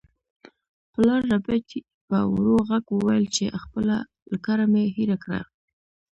پلار ربیټ په ورو غږ وویل چې خپله لکړه مې هیره کړه